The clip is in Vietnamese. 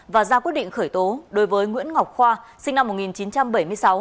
và ra quyết định khởi tố đối với nguyễn ngọc khoa sinh năm một nghìn chín trăm bảy mươi sáu